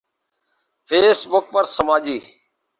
face بک پر سماجی